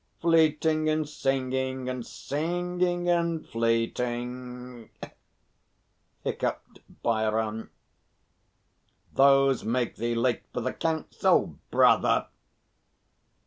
"Fleeting and singing, and singing and fleeting," hiccupped Bhairon. "Those make thee late for the council, brother."